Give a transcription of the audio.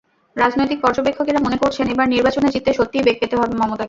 রাজনৈতিক পর্যবেক্ষকেরা মনে করছেন, এবার নির্বাচনে জিততে সত্যিই বেগ পেতে হবে মমতাকে।